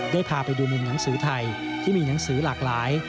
พาไปดูมุมหนังสือไทยที่มีหนังสือหลากหลาย